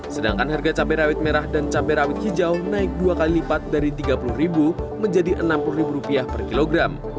sedangkan harga cabai rawit merah dan cabai rawit hijau naik dua kali lipat dari rp tiga puluh menjadi rp enam puluh per kilogram